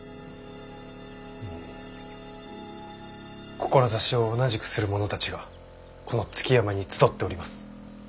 志を同じくする者たちがこの築山に集っております。